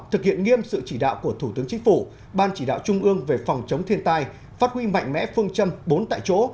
thực hiện nghiêm sự chỉ đạo của thủ tướng chính phủ ban chỉ đạo trung ương về phòng chống thiên tai phát huy mạnh mẽ phương châm bốn tại chỗ